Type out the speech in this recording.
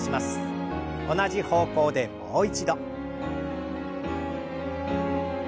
同じ方向でもう一度。